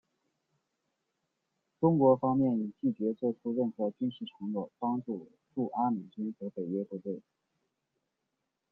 中国方面已拒绝做出任何军事承诺帮助驻阿美军和北约部队。